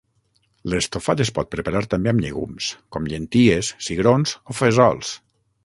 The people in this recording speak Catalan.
L'estofat es pot preparar també amb llegums, com llenties, cigrons o fesols.